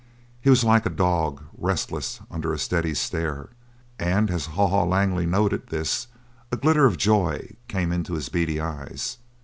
He was like a dog, restless under a steady stare. And as Haw Haw Langley noted this a glitter of joy came in his beady eyes.